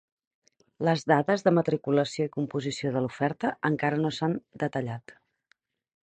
Les dades de matriculació i composició de l'oferta encara no s'han detallat.